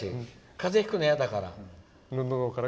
風邪ひくのいやだから。